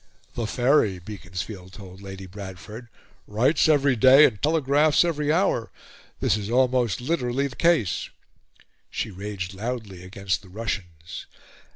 "The Faery," Beaconsfield told Lady Bradford, "writes every day and telegraphs every hour; this is almost literally the case." She raged loudly against the Russians.